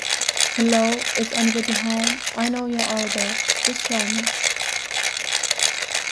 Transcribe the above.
Hello, is anybody home? I know you're out there, just show me.